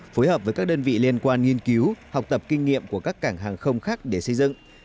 phối hợp với các đơn vị liên quan nghiên cứu học tập kinh nghiệm của các cảng hàng không khác để xây dựng